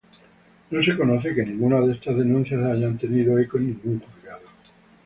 No se conoce que ninguna de estas denuncias haya tenido eco en ningún juzgado.